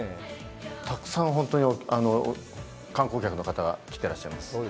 たくさん、本当に観光客の方が来ていらっしゃいます。